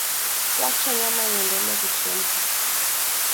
wacha nyama iendelea kuchemka